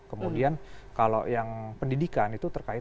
kemudian kalau yang pendidikan itu terlalu banyak